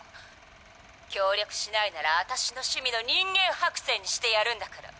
協力しないなら私の趣味の人間剥製にしてやるんだから。